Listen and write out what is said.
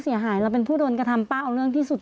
แล้วก็ย้ำว่าจะเดินหน้าเรียกร้องความยุติธรรมให้ถึงที่สุด